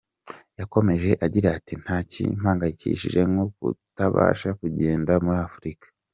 Yakomeje agira ati “Nta kimpangayikishije nko kutabasha kugenda muri Afurika.